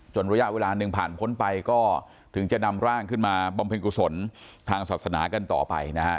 ระยะเวลาหนึ่งผ่านพ้นไปก็ถึงจะนำร่างขึ้นมาบำเพ็ญกุศลทางศาสนากันต่อไปนะฮะ